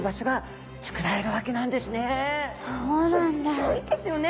すっギョいですよね。